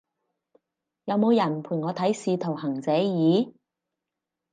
有冇人陪我睇使徒行者二？